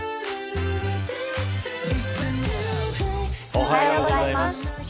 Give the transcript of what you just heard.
おはようございます。